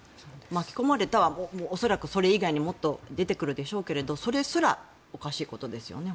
巻き込まれたは恐らくそれ以外にもっと出てくるでしょうけどそれすらおかしいことですよね